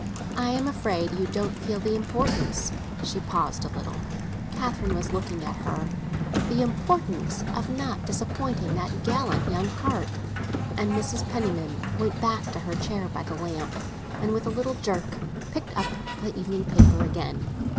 "I am afraid you don't feel the importance—" She paused a little; Catherine was looking at her. "The importance of not disappointing that gallant young heart!" And Mrs. Penniman went back to her chair, by the lamp, and, with a little jerk, picked up the evening paper again.